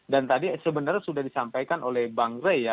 dan tadi sebenarnya sudah disampaikan oleh bang rey